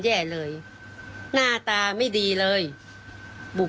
เชื่อว่าเรื่องราวที่เกิดขึ้น